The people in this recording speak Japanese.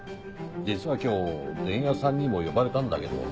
実は今日伝弥さんにも呼ばれたんだけど。